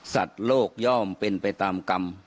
โลกย่อมเป็นไปตามกรรม